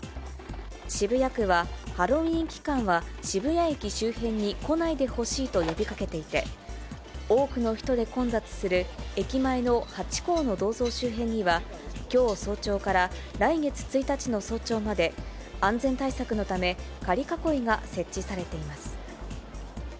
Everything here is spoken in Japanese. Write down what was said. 渋谷区はハロウィーン期間は渋谷駅周辺に来ないでほしいと呼びかけていて、多くの人で混雑する駅前のハチ公の銅像周辺には、きょう早朝から来月１日の早朝まで、安全対策のため、仮囲いが設置されています。